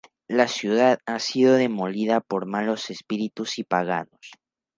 La ciudad ha sido demolida por malos espíritus y paganos.